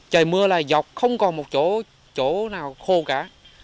trời mưa là dọc không còn một chỗ nào khô cả